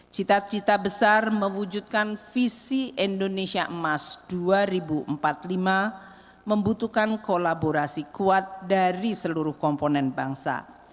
cita cita besar mewujudkan visi indonesia emas dua ribu empat puluh lima membutuhkan kolaborasi kuat dari seluruh komponen bangsa